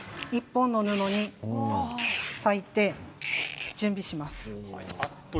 １本の布に裂いて準備します。